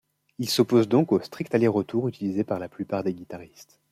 Il s'oppose donc au strict aller-retour utilisé par la plupart des guitaristes.